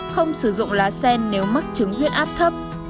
không sử dụng lá sen nếu mắc chứng huyết áp thấp